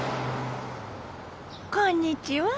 こんにちは。